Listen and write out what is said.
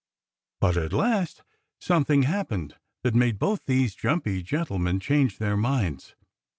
But at last something happened that made both those jumpy gentlemen change their minds.